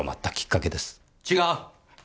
違う！